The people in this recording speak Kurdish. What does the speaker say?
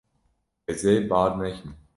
Ez ê bar nekim.